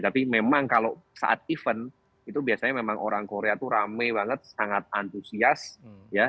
tapi memang kalau saat event itu biasanya memang orang korea itu rame banget sangat antusias ya